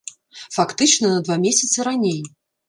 Фактычна на два месяцы раней.